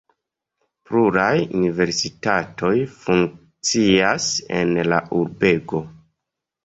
Pluraj universitatoj funkcias en la urbego.